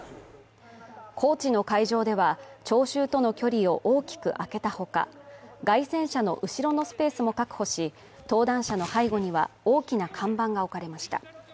高知の会場では、聴衆との距離を大きく空けたほか街宣車の後ろのスペースも確保し、登壇者の背後には大きな看板が置かれました。